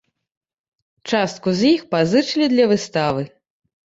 Частку з іх пазычылі для выставы.